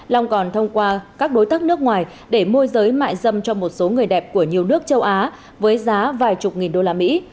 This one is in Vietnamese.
long còn thông qua các đối tác nước ngoài để môi giới mại râm cho một số người đẹp của nhiều nước châu á với giá vài chục nghìn usd